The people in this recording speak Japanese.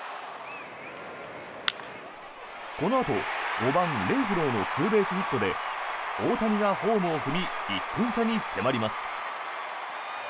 このあと、５番、レンフローのツーベースヒットで大谷がホームを踏み１点差に迫ります。